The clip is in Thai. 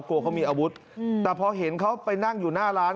กลัวเขามีอาวุธแต่พอเห็นเขาไปนั่งอยู่หน้าร้าน